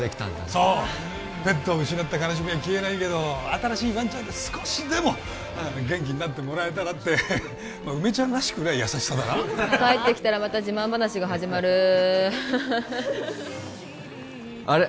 そうペットを失った悲しみは消えないけど新しいワンちゃんで少しでも元気になってもらえたらってまあ梅ちゃんらしくない優しさだな帰ってきたらまた自慢話が始まるあれ？